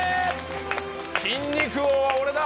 筋肉王は俺だ！